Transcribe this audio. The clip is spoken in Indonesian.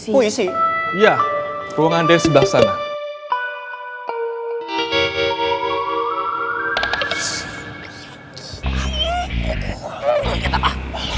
puisi ya ruangan dari sebelah sana